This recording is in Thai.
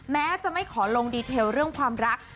แม้จะไม่ขอลงดีเทลเรื่องความรัก